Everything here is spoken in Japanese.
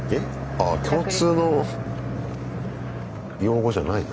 ああ共通の用語じゃないの？